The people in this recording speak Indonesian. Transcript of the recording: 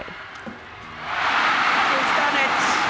dia telah melakukannya